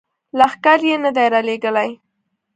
لښکر یې نه دي را لیږلي.